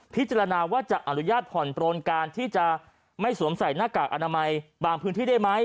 พิจารณาว่าจะอนุญาตผ่อนปลนการที่จะไม่สวมใส่หน้ากากอนามัยบางพื้นที่ได้ไหม